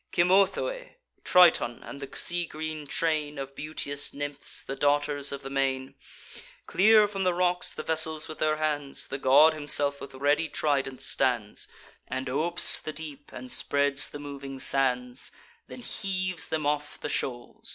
Cymothoe, Triton, and the sea green train Of beauteous nymphs, the daughters of the main, Clear from the rocks the vessels with their hands: The god himself with ready trident stands, And opes the deep, and spreads the moving sands; Then heaves them off the shoals.